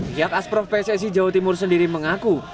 pihak asprof pssi jawa timur sendiri mengaku